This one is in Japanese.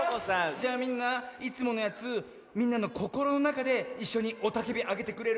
じゃあみんないつものやつみんなのこころのなかでいっしょにおたけびあげてくれる？